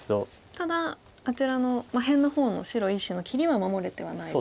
ただあちらの辺の方の白１子の切りは守れてはないと。